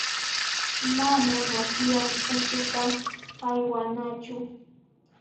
Mana makiman uchuta haywanachu.